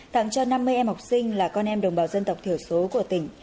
tặng cho năm mươi em học sinh là con em đồng bào dân tộc thiểu số của tỉnh